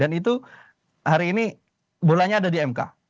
dan itu hari ini bolanya ada di mk